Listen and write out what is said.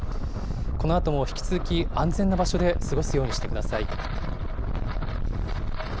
このあとも引き続き、安全な場所で過ごすようにしてください。